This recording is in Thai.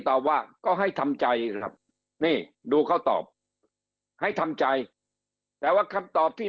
ตอบว่าก็ให้ทำใจครับนี่ดูเขาตอบให้ทำใจแต่ว่าคำตอบที่